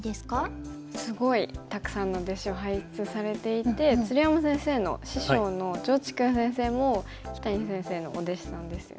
すごいたくさんの弟子を輩出されていて鶴山先生の師匠の趙治勲先生も木谷先生のお弟子さんですよね。